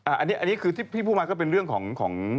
อันนี้คือที่พี่พูดมาก็เป็นเรื่องของ